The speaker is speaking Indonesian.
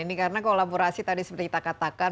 ini karena kolaborasi tadi seperti kita katakan